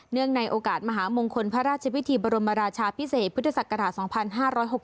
ในโอกาสมหามงคลพระราชพิธีบรมราชาพิเศษพุทธศักราช๒๕๖๖